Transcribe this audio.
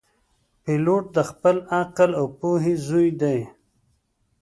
پیلوټ د خپل عقل او پوهې زوی دی.